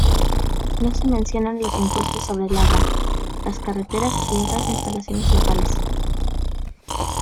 No se mencionan los impuestos sobre el agua, las carreteras y otras instalaciones locales.